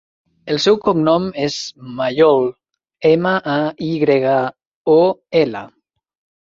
El seu cognom és Mayol: ema, a, i grega, o, ela.